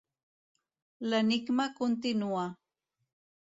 L'enigma continua.